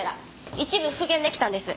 一部復元出来たんです。